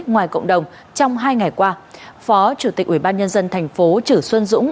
ngoài cộng đồng trong hai ngày qua phó chủ tịch ủy ban nhân dân tp chử xuân dũng